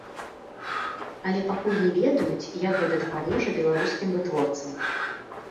Але пакуль не ведаюць, як гэта дапаможа беларускім вытворцам.